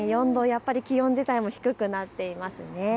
やっぱり気温自体も低くなっています。